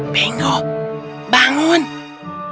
dan dia menanggungnya